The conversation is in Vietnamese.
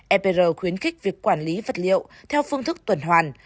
epr khuyến khích việc quản lý vật liệu theo phương thức tuần hoàn